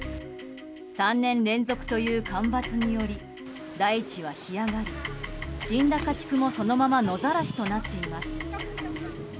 ３年連続という干ばつにより大地は干上がり死んだ家畜も、そのまま野ざらしとなっています。